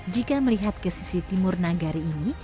jika melihat ke sisi timur nagari ini